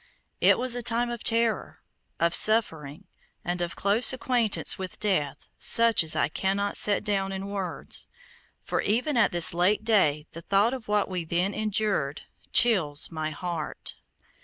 It was a time of terror, of suffering, and of close acquaintance with death such as I cannot set down in words, for even at this late day the thought of what we then endured chills my heart.